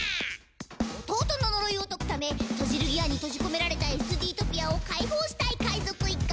弟の呪いを解くためトジルギアに閉じ込められたＳＤトピアを解放したい界賊一家。